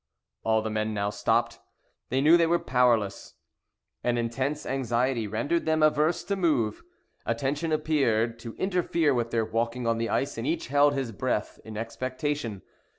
All the men now stopped. They knew they were powerless; and intense anxiety rendered them averse to move. Attention appeared to interfere with their walking on the ice; and each held his breath in expectation.